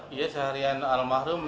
dia seharian al mahrum